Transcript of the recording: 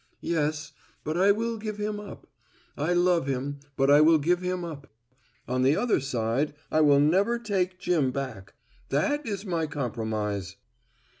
"Yes, but I will give him up. I love him, but I will give him up. On the other side, I will never take Jim back. That is my compromise."